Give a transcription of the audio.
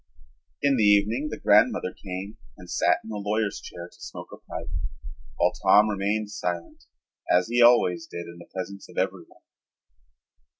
In the evening the grandmother came and sat in the lawyer's chair to smoke a pipe while Tom remained silent, as he always did in the presence of everyone.